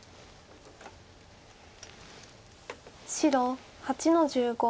白８の十五。